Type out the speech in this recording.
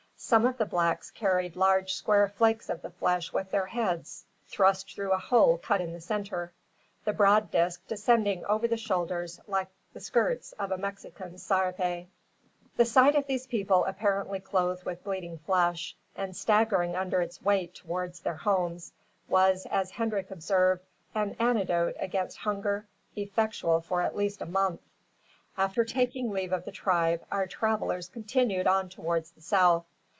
Some of the blacks carried large square flakes of the flesh with their heads thrust through a hole cut in the centre, the broad disk descending over the shoulders like the skirts of a Mexican's serape. The sight of these people apparently clothed with bleeding flesh, and staggering under its weight towards their homes, was, as Hendrik observed, an "antidote against hunger, effectual for at least a month." After taking leave of the tribe, our travellers continued on towards the south.